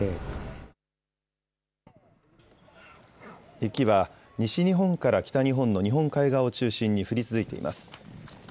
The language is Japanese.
雪は西日本から北日本の日本海側を中心に降り続いています。